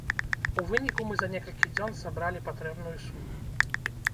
У выніку мы за некалькі дзён сабралі патрэбную суму.